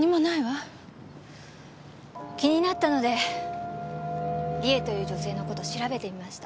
気になったので理恵という女性の事調べてみました。